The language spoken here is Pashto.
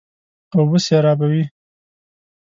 اوبه سېرابوي.